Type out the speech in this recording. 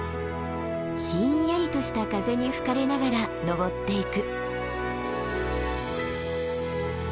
ひんやりとした風に吹かれながら登っていく。